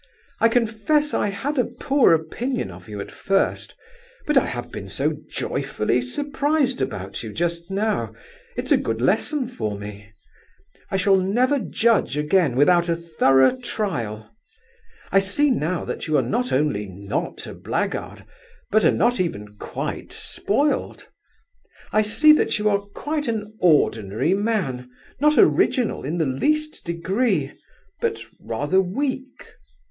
"I confess I had a poor opinion of you at first, but I have been so joyfully surprised about you just now; it's a good lesson for me. I shall never judge again without a thorough trial. I see now that you are not only not a blackguard, but are not even quite spoiled. I see that you are quite an ordinary man, not original in the least degree, but rather weak."